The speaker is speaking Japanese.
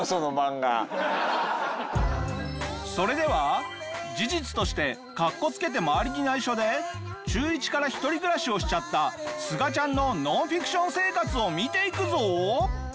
それでは事実としてかっこつけて周りに内緒で中１から一人暮らしをしちゃったすがちゃんのノンフィクション生活を見ていくぞ。